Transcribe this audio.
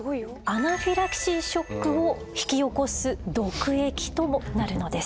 アナフィラキシーショックを引き起こす毒液ともなるのです。